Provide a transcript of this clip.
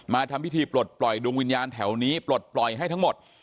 ทำพิธีปลดปล่อยดวงวิญญาณแถวนี้ปลดปล่อยให้ทั้งหมด